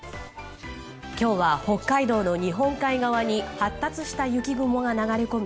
今日は北海道の日本海側に発達した雪雲が流れ込み